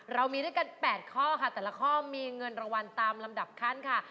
เรามีด้วยกัน๘ข้อค่ะแต่ละข้อมีเงินรางวัลตามลำดับขั้นค่ะ